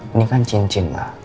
ini kan cincin ma